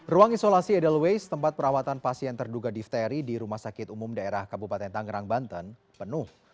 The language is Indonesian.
ruang isolasi edelweiss tempat perawatan pasien terduga difteri di rumah sakit umum daerah kabupaten tangerang banten penuh